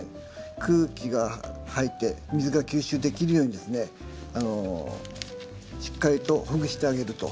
空気が入って水が吸収できるようにですねしっかりとほぐしてあげるということです。